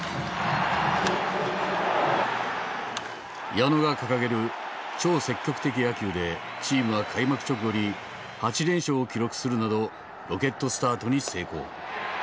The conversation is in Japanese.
矢野が掲げる「超積極的野球」でチームは開幕直後に８連勝を記録するなどロケットスタートに成功。